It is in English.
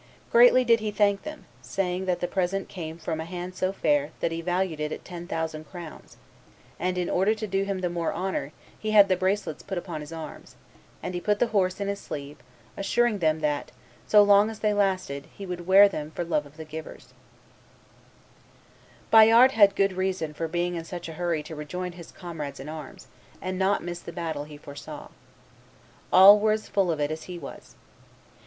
Greatly did he thank them, saying that the present came from hand so fair, that he valued it at ten thousand crowns; and, in order to do them the more honor, he had the bracelets put upon his arms, and he put the purse in his sleeve, assuring them that, so long as they lasted, he would wear them for love of the givers." [Illustration: Bayard's Farewell 358] Bayard had good reason for being in such a hurry to rejoin his comrades in arms, and not miss the battle he foresaw. All were as full of it as he was.